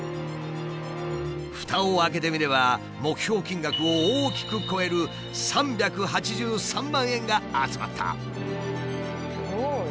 ふたを開けてみれば目標金額を大きく超える３８３万円が集まった。